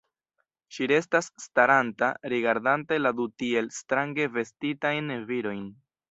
Ŝi restas staranta, rigardante la du tiel strange vestitajn virojn.